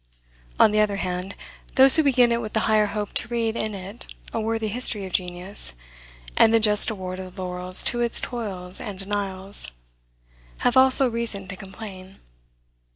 On the other hand, those who begin it with the higher hope to read in it a worthy history of genius, and the just award of the laurels to its toils and denials, have also reason to complain.